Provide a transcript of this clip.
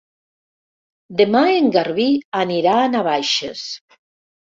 Demà en Garbí anirà a Navaixes.